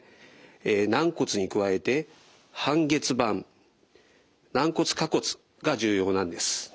軟骨に加えて半月板軟骨下骨が重要なんです。